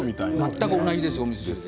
全く同じですね。